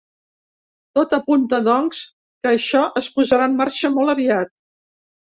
Tot apunta, doncs, que això es posarà en marxa molt aviat.